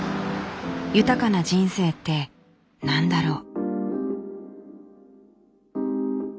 豊かな人生って何だろう。